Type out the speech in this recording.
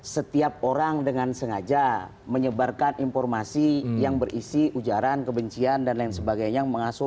setiap orang dengan sengaja menyebarkan informasi yang berisi ujaran kebencian dan lain sebagainya